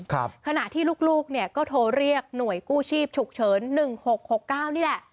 ขณะที่ลูกก็โทรเรียกหน่วยกู้ชีพฉุกเฉิน๑๖๖๙นี่แหละ